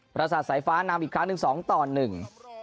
ประสาทสายฟ้านำอีกครั้งหนึ่งสองต่อหนึ่ง